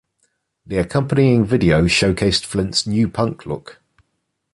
The accompanying video showcased Flint's new punk look.